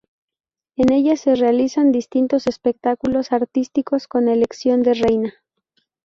En ella se realizan distintos espectáculos artísticos con elección de reina.